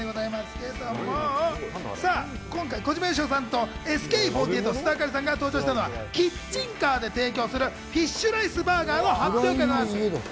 今回、小島よしおさんとＳＫＥ４８の須田亜香里さんが登場したのはキッチンカーで提供するフィッシュライスバーガーの発表会です。